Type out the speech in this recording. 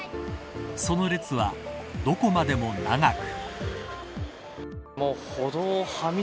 その列はどこまでも長く。